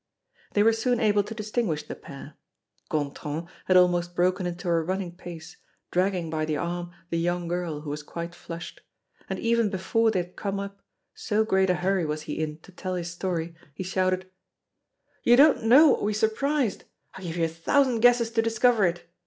They were soon able to distinguish the pair. Gontran had almost broken into a running pace, dragging by the arm the young girl, who was quite flushed. And, even before they had come up, so great a hurry was he in to tell his story, he shouted: "You don't know what we surprised. I give you a thousand guesses to discover it!